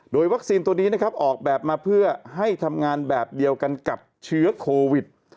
โดยวัคซีนตัวนี้นะครับออกแบบมาเพื่อให้ทำงานแบบเดียวกันกับเชื้อโควิด